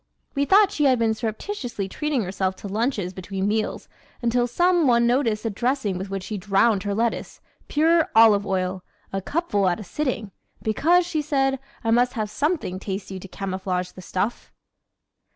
We thought she had been surreptitiously treating herself to lunches between meals until some one noticed the dressing with which she drowned her lettuce: pure olive oil a cupful at a sitting "because," she said "I must have something tasty to camouflage the stuff."